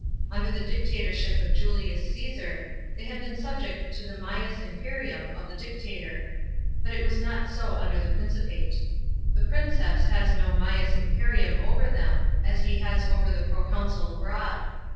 Under the dictatorship of Julius Caesar, tliey had been subject to the mafus imperium of the dictator ; but it was not so under the Prineipate. The Princeps has no mains imperium over them, as he has over the proconsul abroad.